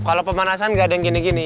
kalau pemanasan nggak ada yang gini gini